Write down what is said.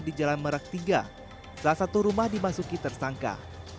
di jalan merak tiga salah satu rumah dimasuki tersangka